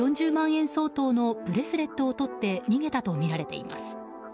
円相当のブレスレットをとって逃げたとみられています。